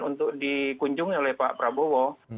untuk dikunjungi oleh pak prabowo